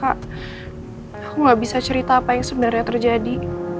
aku gak bisa cerita apa yang sebenarnya terjadi